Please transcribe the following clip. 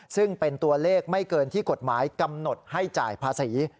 ซึ่งเป็นตัวเลขไม่เกินที่กฎหมายกำหนดให้จ่ายภาษี